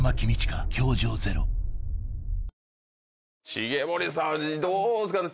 重盛さんどうですかね？